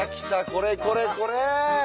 これこれこれ！